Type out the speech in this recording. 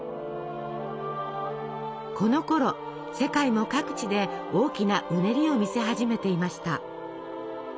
このころ世界も各地で大きなうねりを見せ始めていました。